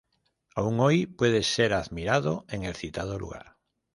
Aún hoy puede ser admirado en el citado lugar.